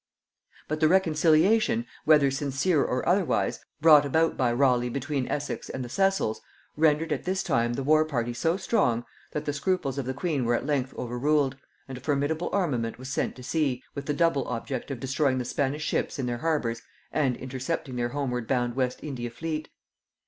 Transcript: But the reconciliation, whether sincere or otherwise, brought about by Raleigh between Essex and the Cecils, rendered at this time the war party so strong, that the scruples of the queen were at length overruled, and a formidable armament was sent to sea, with the double object of destroying the Spanish ships in their harbours and intercepting their homeward bound West India fleet.